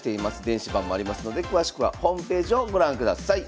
電子版もありますので詳しくはホームページをご覧ください。